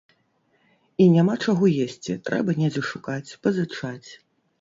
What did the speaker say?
І няма чаго есці, трэба недзе шукаць, пазычаць.